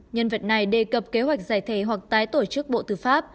nhân vật này đề cập kế hoạch giải thể hoặc tái tổ chức bộ tư pháp